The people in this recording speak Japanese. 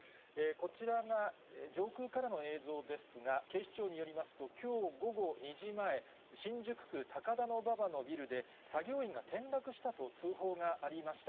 こちらが上空からの映像ですが、警視庁によりますと、きょう午後２時前、新宿区高田馬場のビルで、作業員が転落したと通報がありました。